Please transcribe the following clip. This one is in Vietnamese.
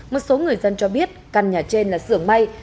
một số người dân cho biết căn nhà trên là sưởng may